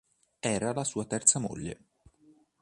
Era la sua terza moglie.